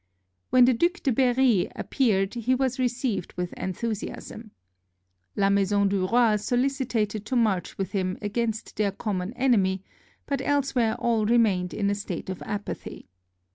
When the Due de Berri appeared he was received with enthusiasm. La Maison dtt Roi solicited to march with him against their common enemy, but elsewhere all re mained in a state of apathy.